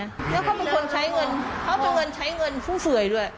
แล้วเขาเป็นคนใช้เงินใช้เงินผู้เสื่อยด้วย